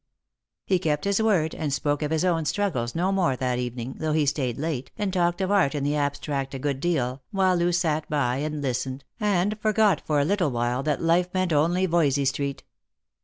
He kept his word, and spoke of his own struggles no more that evening, though he stayed late, and talked of art in the abstract a good deal, while Loo sat by and listened, and forgot for a little while that life meant only Voysey street.